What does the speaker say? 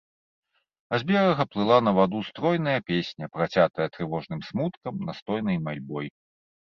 А з берага плыла на ваду стройная песня, працятая трывожным смуткам, настойнай мальбой.